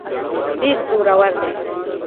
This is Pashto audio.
ډېر زورور دی.